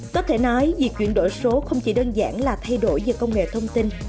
có thể nói việc chuyển đổi số không chỉ đơn giản là thay đổi về công nghệ thông tin